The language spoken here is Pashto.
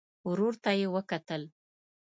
ورور ته يې وکتل.